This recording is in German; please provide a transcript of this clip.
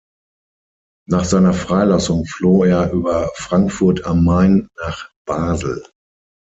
Nach seiner Freilassung floh er über Frankfurt am Main nach Basel.